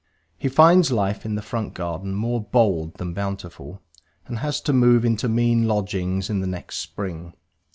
He finds life in the front garden more bold than bountiful, and has to move into mean lodgings in the next spring.